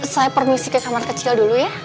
saya permisi ke kamar kecil dulu ya